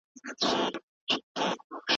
زموږ په ګران وطن کې ډېر ښکلی طبیعت شته.